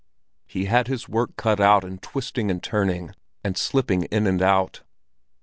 He had his work cut out in twisting and turning, and slipping in and out.